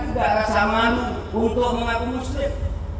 tidak ada juga rasa malu untuk mengaku muslim